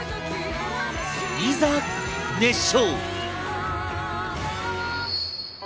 いざ熱唱。